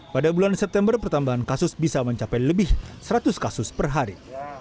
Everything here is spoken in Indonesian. pada bulan september pertambahan kasus bisa mencapai lebih seratus kasus per hari